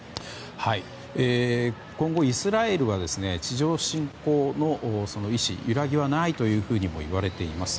今後、イスラエルは地上侵攻の意思に揺らぎはないともいわれています。